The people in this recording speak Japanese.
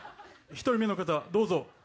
１人目の方どうぞ。